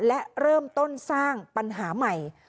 และเริ่มต้นสร้างปัญหาใหม่